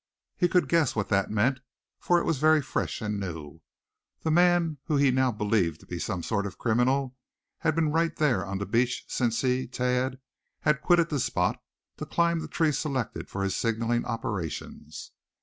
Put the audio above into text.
He could guess what that meant, for it was very fresh and new. The man whom he now believed to be some sort of criminal, had been right there on the beach since he, Thad, had quitted the spot to climb the tree selected for his signaling operations!